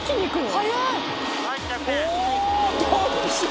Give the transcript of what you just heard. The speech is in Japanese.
速い！